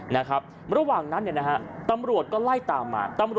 นะครับระหว่างนั้นเนี่ยนะฮะตำรวจก็ไล่ตามมา